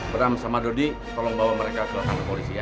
beram sama dodi tolong bawa mereka ke kantor polisi ya